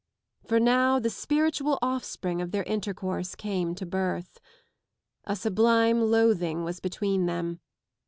For now the spiritual offspring of their intercourse came to birth. A sublime loathing was between them.